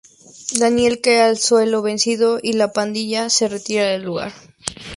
Daniel cae al suelo vencido y la pandilla se retira del lugar.